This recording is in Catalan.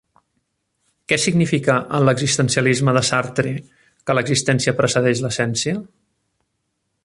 Què significa en l'existencialisme de Sartre que «l'existència precedeix l'essència»?